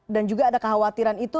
dan juga ada kekhawatiran itu